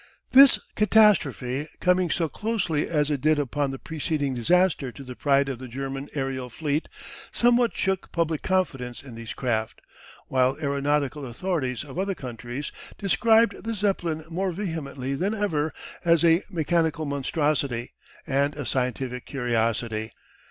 This catastrophe coming so closely as it did upon the preceding disaster to the pride of the German aerial fleet somewhat shook public confidence in these craft, while aeronautical authorities of other countries described the Zeppelin more vehemently than ever as a "mechanical monstrosity" and a "scientific curiosity."